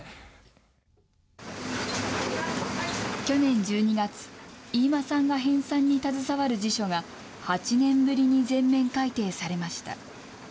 去年１２月、飯間さんが編さんに携わる辞書が、８年ぶりに全面改訂されました。